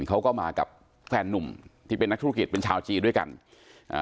เขาก็มากับแฟนนุ่มที่เป็นนักธุรกิจเป็นชาวจีนด้วยกันอ่า